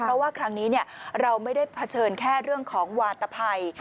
เพราะว่าครั้งนี้เราไม่ได้เผชิญแค่เรื่องของวาตภัย